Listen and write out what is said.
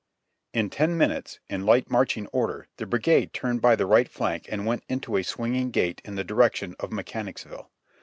In ten minutes, in light marching order, the brigade turned by the right flank and went into a swinging gait in the direction of Mechanicsville.